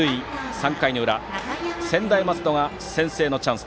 ３回の裏専大松戸が先制のチャンス。